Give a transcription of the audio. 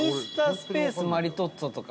スペース「マリトッツォ」とか。